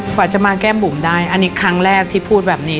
กว่าจะมาแก้มบุ๋มได้อันนี้ครั้งแรกที่พูดแบบนี้